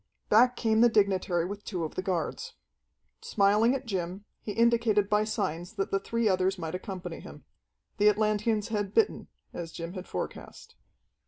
Back came the dignitary with two of the guards. Smiling at Jim, he indicated by signs that the three others might accompany him. The Atlanteans had bitten, as Jim had forecast.